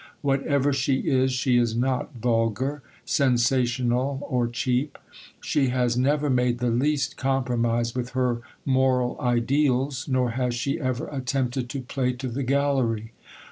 Whatever she is, she is not vulgar, sensational, or cheap; she has never made the least compromise with her moral ideals, nor has she ever attempted to play to the gallery.